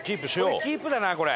これキープだな！